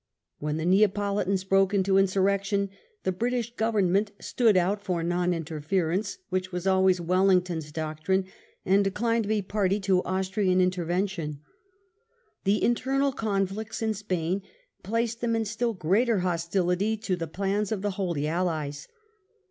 "When the Neapolitans broke into insurrection, the British Government stood out for non interference, which was always Wellington's doctrine, and declined to be a party to Austrian intervention. The internal conflicts in Spain placed them in still greater hostility to the plans of the Holy Allies.